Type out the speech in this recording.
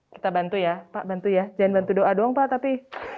kita bantu ya pak bantu ya jangan bantu doa doang pak tapi